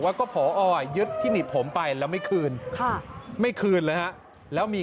ว่าก็ผอยึดที่หนีบผมไปแล้วไม่คืนไม่คืนแล้วมี